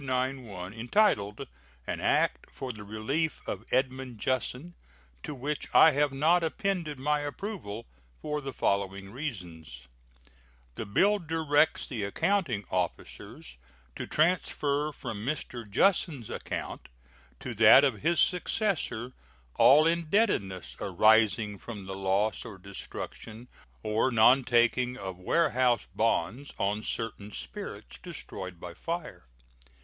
2291, entitled "An act for the relief of Edmund Jussen," to which I have not appended my approval, for the following reasons: The bill directs the accounting officers to transfer from Mr. Jussen's account to that of his successor all indebtedness arising from the loss or destruction or nontaking of warehouse bonds on certain spirits destroyed by fire.